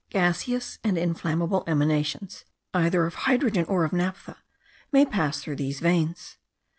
Gaseous and inflammable emanations, either of hydrogen or of naphtha, may pass through these veins.